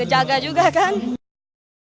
kita harus berpikir pikir